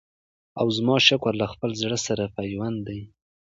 او زما شکر له خپل زړه سره پیوند دی